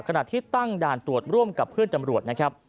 ขณะที่ตั้งด่านตรวจร่วมกับเพื่อนตำรวจนะครับ